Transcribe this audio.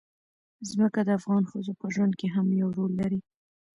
ځمکه د افغان ښځو په ژوند کې هم یو رول لري.